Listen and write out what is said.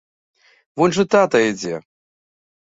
Вунь жа тата ідзе!